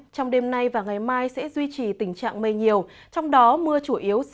trong đêm nay và ngày mai sẽ duy trì tình trạng mây nhiều